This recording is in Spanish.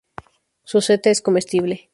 Su seta es comestible.